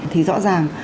thì rõ ràng